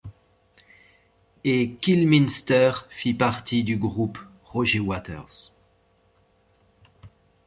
Et Kilminster fit partie du groupe Roger Waters.